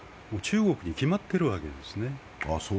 中国に決まってるわけですね。